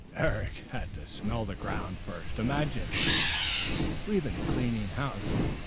Eric had to smell the ground first. Imagine! We have been cleaning house.